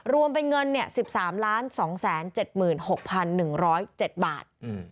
รวมเป็นเงิน๑๓๒๗๖๑๐๗บาท